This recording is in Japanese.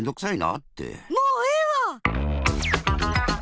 もうええわ！